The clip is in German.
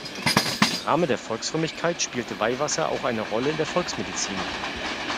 Im Rahmen der Volksfrömmigkeit spielte Weihwasser auch eine Rolle in der Volksmedizin.